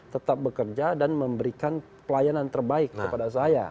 tetap bekerja dan memberikan pelayanan terbaik kepada saya